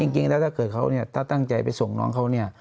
ถ้าเกิดเขาเนี่ยถ้าตั้งใจไปส่งน้องเขาเนี่ย